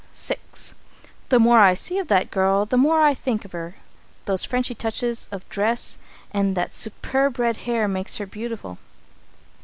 VI. "The more I see of that girl, the more I think of her. Those Frenchy touches of dress and that superb red hair make her beautiful.